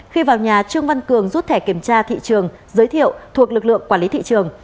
khi vào nhà trương văn cường rút thẻ kiểm tra thị trường giới thiệu thuộc lực lượng quản lý thị trường